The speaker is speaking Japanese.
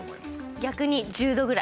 逆に１０度ぐらい。